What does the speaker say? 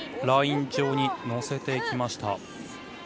ライン上に乗せてきました。